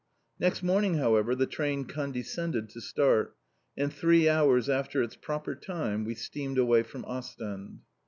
Next morning, however, the train condescended to start, and three hours after its proper time we steamed away from Ostend.